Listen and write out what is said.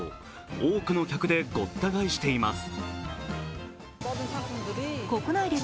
多くの客でごった返しています。